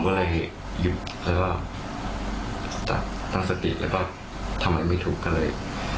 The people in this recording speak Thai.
ก็เลยหยุดแล้วก็ตั้งสติแล้วก็ทำไมไม่ถูกก็เลย